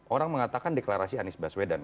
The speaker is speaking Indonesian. orang mengatakan deklarasi anies baswedan